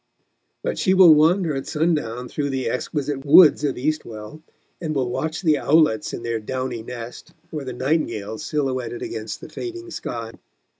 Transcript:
But she will wander at sundown through the exquisite woods of Eastwell, and will watch the owlets in their downy nest or the nightingale silhouetted against the fading sky.